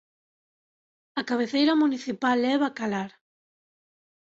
A cabeceira municipal é Bacalar.